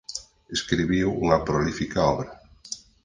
Escribiu unha prolífica obra.